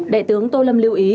đại tướng tô lâm lưu ý